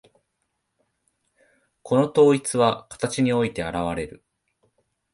この統一は形において現われる。